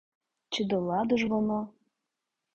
Чи до ладу ж воно?